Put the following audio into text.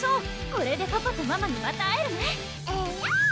これでパパとママにまた会えるねえるぅ！